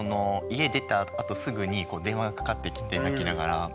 家出たあとすぐに電話がかかってきて泣きながら。